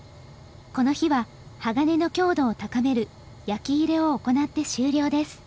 この日は鋼の強度を高める焼き入れを行って終了です。